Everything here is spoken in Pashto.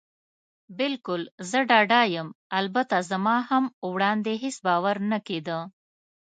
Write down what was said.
بلکل، زه ډاډه یم. البته زما هم وړاندې هېڅ باور نه کېده.